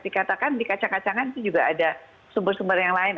dikatakan di kacang kacangan itu juga ada sumber sumber yang lain